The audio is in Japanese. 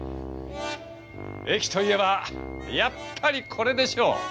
駅といえばやっぱりこれでしょう。